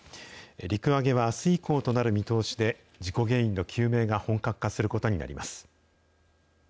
陸揚げはあす以降となる見通しで、事故原因の究明が本格化することになります。